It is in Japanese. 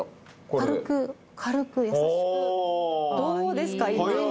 軽く軽く優しくああどうですか？